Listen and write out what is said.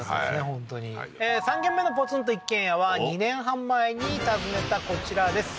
本当に３軒目のポツンと一軒家は２年半前に訪ねたこちらです